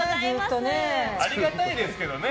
ありがたいですけどね